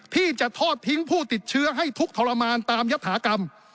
ที่จะทอดทิ้งผู้ติดเชื้อให้ทุกข์ทรมานตามยัตถากรรม